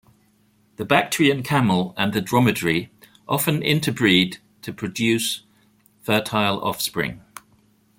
The Bactrian camel and the dromedary often interbreed to produce fertile offspring.